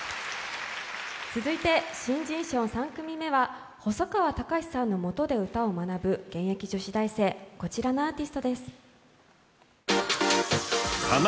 続いて新人賞３組目は細川たかしさんのもとで歌を学ぶ現役女子大生、こちらのアーティストです。